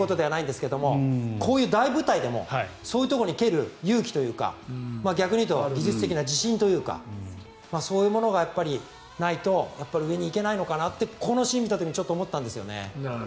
ここに蹴れということではないんですがこの大舞台でもそういうところに蹴れる勇気というか逆に言うと技術的な自信というかそういうものがないと上に行けないのかなとこのシーンを見た時に思ったんですね。